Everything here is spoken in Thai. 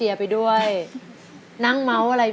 ไม่มีกฎไม่รับ